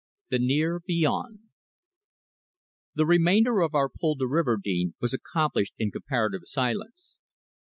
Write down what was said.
THE NEAR BEYOND. The remainder of our pull to Riverdene was accomplished in comparative silence.